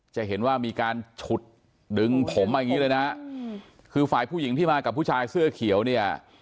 จะเห็นว่ามีการฉุดดึงผมมาอย่างงี้เลยนะคือฝ่ายผู้หญิงที่มากับผู้ชายเสื้อเขียวเนี่ย